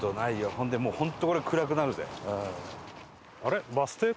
ほんでもう本当これ暗くなるぜ。